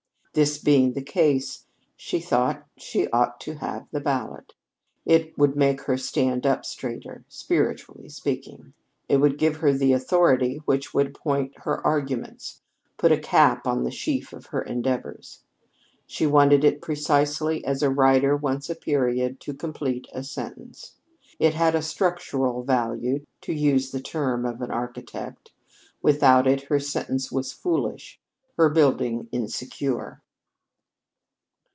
This being the case, she thought she ought to have the ballot. It would make her stand up straighter, spiritually speaking. It would give her the authority which would point her arguments; put a cap on the sheaf of her endeavors. She wanted it precisely as a writer wants a period to complete a sentence. It had a structural value, to use the term of an architect. Without it her sentence was foolish, her building insecure.